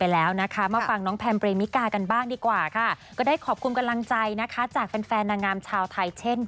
และฉันอยากเป็นธุรกิจสำหรับโรงงาน